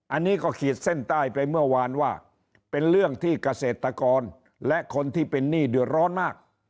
อันนี้ก็ขีดเส้นใต้ไปเมื่อวานว่าเป็นเรื่องที่เกษตรกรและคนที่เป็นหนี้เดือดร้อนมาก